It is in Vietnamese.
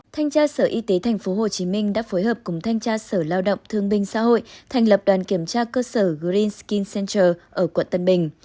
thành tra sở y tế tp hcm đã phối hợp cùng thành tra sở lao động thương binh xã hội thành lập đoàn kiểm tra cơ sở green skin center ở quận tân bình